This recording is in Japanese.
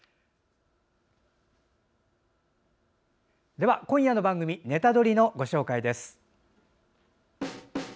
では今夜の番組「ネタドリ！」のご紹介です。